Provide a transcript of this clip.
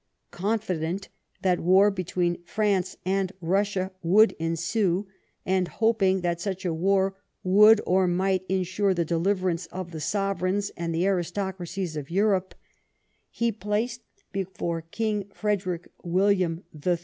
Confident that war between France and Russia would ensue, and hoping that snch a war would or might ensure the deliverance of the sovereigns and the aristocracies of Europe, he placed before King Frederick William III.